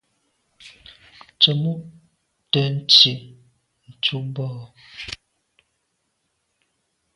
Tsemo’ te ntsi tu bo.